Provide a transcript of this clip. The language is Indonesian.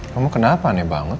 kamu kenapa aneh banget